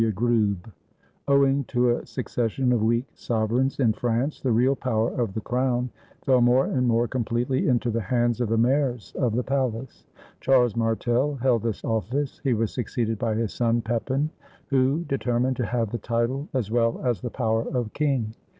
W. GRUBE [Owing to a succession of weak sovereigns in France, the real power of the crown fell more and more completely into the hands of the mayors of the palace. Charles Martel held this ofifice. He was succeeded by his son Pepin, who determined to have the title as well as the power of king.